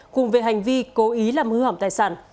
cùng về hành vi cố ý làm hư hỏng tài sản